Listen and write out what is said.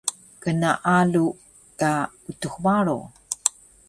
Gnaalu ka Utux Baro